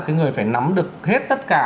cái người phải nắm được hết tất cả